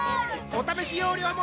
お試し容量も